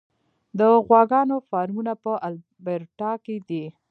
د غواګانو فارمونه په البرټا کې دي.